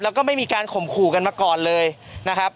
แล้วก็ไม่มีการข่มขู่กันมาก่อนเลยนะครับ